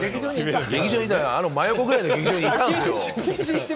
あの真横くらいの劇場にいたんですよ。